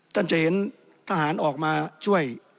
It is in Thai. ท่านจะเห็นทหารออกมาช่วย